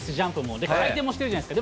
で、回転もしてるじゃないですか。